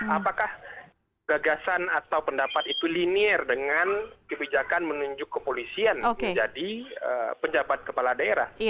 apakah gagasan atau pendapat itu linear dengan kebijakan menunjuk kepolisian menjadi pejabat kepala daerah